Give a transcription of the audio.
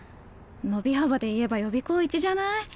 伸び幅で言えば予備校一じゃない？